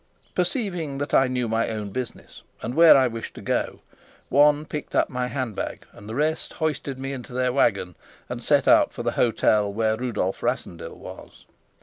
Perceiving that I knew my own business and where I wished to go, one picked up my hand bag and the rest hoisted me into their wagon and set out for the hotel where Rudolf Rassendyll was.